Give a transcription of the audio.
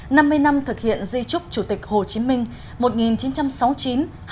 năm mươi năm thực hiện di trúc chủ tịch hồ chí minh một nghìn chín trăm sáu mươi chín hai nghìn một mươi chín